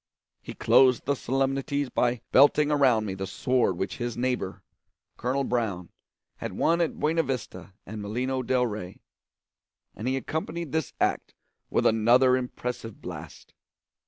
He closed the solemnities by belting around me the sword which his neighbour, colonel Brown, had worn at Buena Vista and Molino del Rey; and he accompanied this act with another impressive blast.